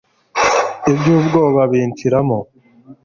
iby'ubwoba binshiramo